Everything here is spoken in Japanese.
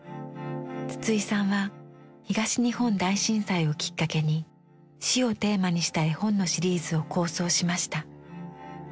筒井さんは東日本大震災をきっかけに「死」をテーマにした絵本のシリーズを構想しました。